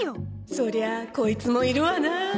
そりゃあコイツもいるわな